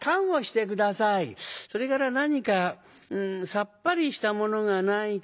それから何かさっぱりしたものがないかなあ。